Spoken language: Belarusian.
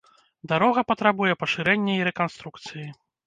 Дарога патрабуе пашырэння і рэканструкцыі.